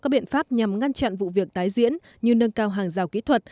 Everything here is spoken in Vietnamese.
các biện pháp nhằm ngăn chặn vụ việc tái diễn như nâng cao hàng rào kỹ thuật